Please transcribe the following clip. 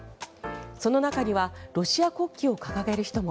その中にはロシア国旗を掲げる人も。